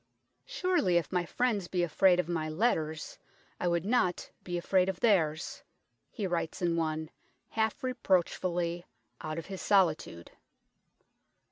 2i6 UNKNOWN LONDON " Surely if my friends be afrayd of my letters I would not be afrayd of theirs," he writes in one, half reproachfully, out of his solitude.